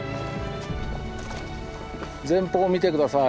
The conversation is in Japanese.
前方見て下さい。